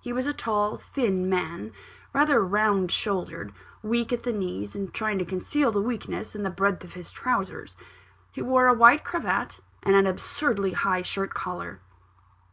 He was a tall, thin man: rather round shouldered; weak at the knees, and trying to conceal the weakness in the breadth of his trowsers. He wore a white cravat, and an absurdly high shirt collar.